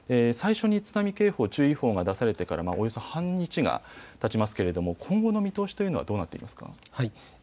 最初に津波警報、注意報が出されてからおよそ半日がたちますけれども今後の見通しというのはどうなっていますか。